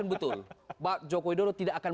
betul pak joko widodo tidak akan